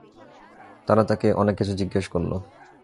তারা তাকে অনেক কিছু জিজ্ঞেস করল।